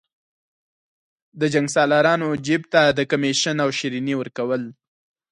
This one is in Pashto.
د جنګسالارانو جیب ته د کمېشن او شریني ورکول.